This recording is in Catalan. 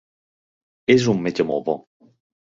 És un metge molt bo.